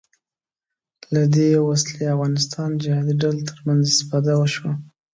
له دې وسلې افغانستان جهادي ډلو تر منځ استفاده وشوه